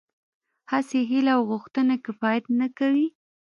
هسې هيله او غوښتنه کفايت نه کوي.